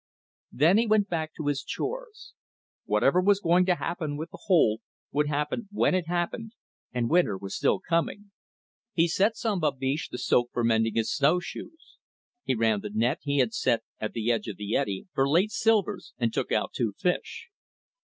Then he went back to his chores. Whatever was going to happen with the hole would happen when it happened, and winter was still coming. He set some babiche to soak for mending his snowshoes. He ran the net he had set at the edge of the eddy for late silvers and took out two fish.